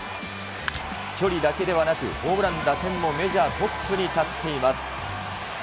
距離だけではなく、ホームラン、打点もメジャートップに立っています。